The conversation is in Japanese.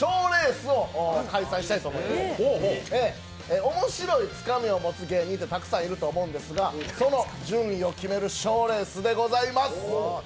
おもしろいつかみを持つ芸人ってたくさんいると思うんですが、その順位を決める賞レースでございます。